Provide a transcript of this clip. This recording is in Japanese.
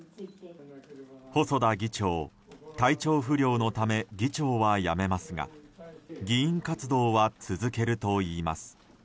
細田議長、体調不良のため議長は辞めますが議員活動は続けるといいます。